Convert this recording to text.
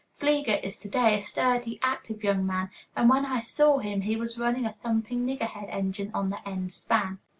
Fleager is to day a sturdy, active young man, and when I saw him he was running a thumping niggerhead engine on the end span.